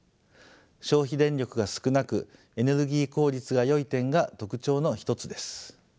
消費電力が少なくエネルギー効率がよい点が特徴の一つです。